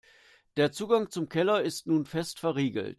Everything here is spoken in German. Der Zugang zum Keller ist nun fest verriegelt.